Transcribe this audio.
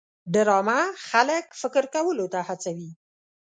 ډرامه خلک فکر کولو ته هڅوي